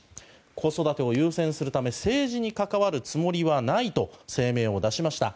子育てを優先し政治に関わるつもりはないと声明を出しました。